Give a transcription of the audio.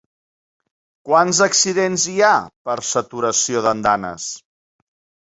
Quants accidents hi ha per saturació d'andanes?